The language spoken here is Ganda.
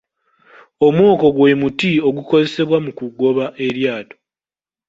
Omwoko gwe muti ogukozesebwa mu kugoba eryato.